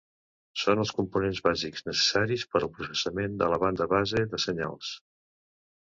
Són els components bàsics necessaris per al processament de la banda base de senyals